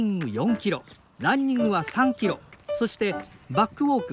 キロランニングは３キロそしてバックウォーク